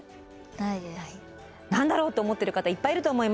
何だろうと思ってる方いっぱいいると思います。